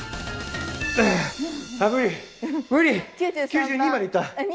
９２までいった！